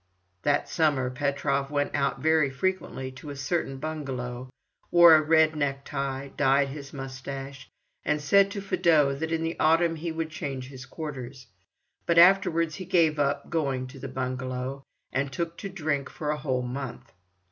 That summer Petrov went out very frequently to a certain bungalow, wore a red neck tie, dyed his moustache, and said to Fedot that in the autumn he should change his quarters; but afterwards he gave up going to the bungalow, and took to drink for a whole month.